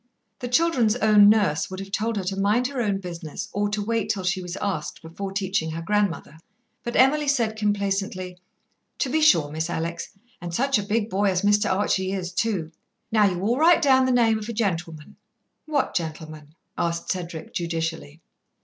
The children's own nurse would have told her to mind her own business, or to wait till she was asked, before teaching her grandmother, but Emily said complacently: "To be sure, Miss Alex! and such a big boy as Master Archie is, too. Now you all write down a name of a gentleman." "What gentleman?" asked Cedric judicially.